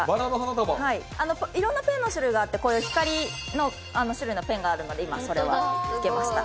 いろんなペンの種類があってこういう光の種類のペンがあるので今それは付けましたね。